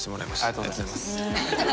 ありがとうございます。